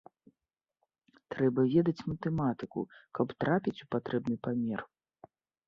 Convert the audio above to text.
Трэба ведаць матэматыку, каб трапіць у патрэбны памер.